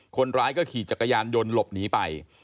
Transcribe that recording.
คนร้ายก็ขี่จักรยานยนต์หลบหนีไป